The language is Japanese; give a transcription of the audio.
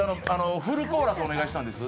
フルコーラスお願いしたんです。